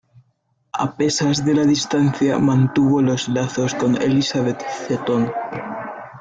A pesas de la distancia, mantuvo los lazos con Elizabeth Seton.